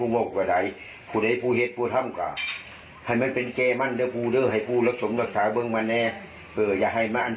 ว่าแปดปูให้เป็นผู้เจยันได้มากกว่าไหน